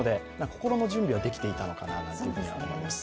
心の準備はできていたかなと思います。